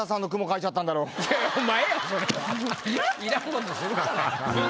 いらんことするからや。